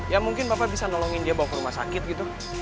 ya mungkin bapak bisa nolongin dia bawa ke rumah sakit gitu